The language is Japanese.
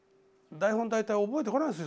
台本大体覚えてこないんですよ。